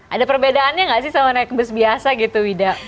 ada perbedaannya nggak sih sama naik bus biasa gitu wida